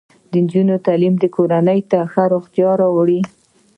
د نجونو تعلیم کورنۍ ته ښه روغتیا راوړي.